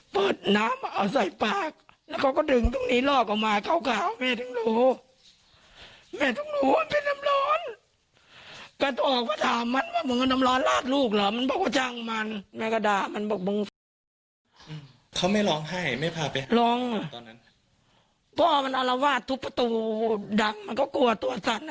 พ่อมันนาระวาดทุกประตูดังมันก็กลัวตัวสัน